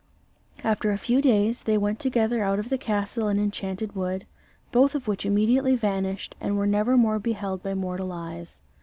After a few days they went together out of the castle and enchanted wood, both of which immediately vanished, and were never more beheld by mortal eyes.